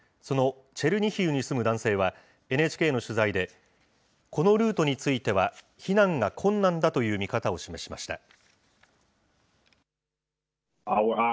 そのチェルニヒウに住む男性は、ＮＨＫの取材で、このルートについては、避難が困難だという見方を示しました。